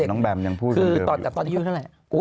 น้องแบมยังพูดคำเดิมอยู่นะคะครับคือแต่ตอนนี้อยู่เท่าไร